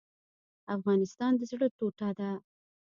افغانستان د زړه ټوټه ده